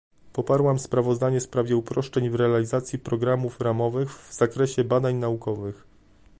Poparłam sprawozdanie w sprawie uproszczeń w realizacji programów ramowych w zakresie badań naukowych